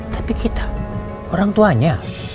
tapi kita orang tuanya